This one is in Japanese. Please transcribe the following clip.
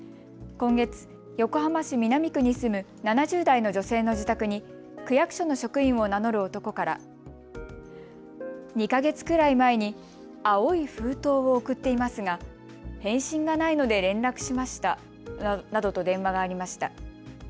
今月、横浜市南区に住む７０代の女性の自宅に区役所の職員を名乗る男から２か月くらい前に青い封筒を送っていますが返信がないので連絡しましたなどと電話がありました。